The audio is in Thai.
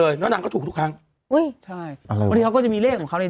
เย้หายอย่าตัวบ้า